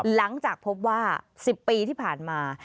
หลังจากพบว่า๑๐ปีที่ผ่านมา